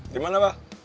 di mana mbah